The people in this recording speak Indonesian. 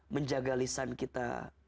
menjaga lisan kita